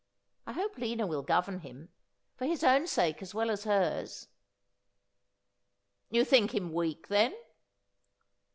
I hope Lina will govern him, for his own sake as well as hers.' ' You think him weak, then